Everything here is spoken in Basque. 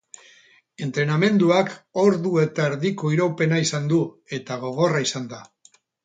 Entrenamenduak ordu eta erdiko iraupena izan du eta gogorra izan da.